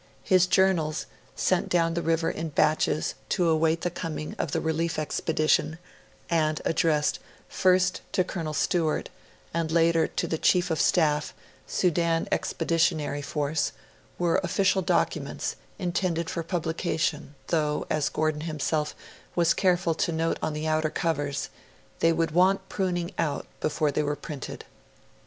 His Journals, sent down the river in batches to await the coming of the relief expedition, and addressed, first to Colonel Stewart, and later to the 'Chief of Staff, Sudan Expeditionary Force', were official documents, intended for publication, though, as Gordon himself was careful to note on the outer covers, they would 'want pruning out' before they were printed.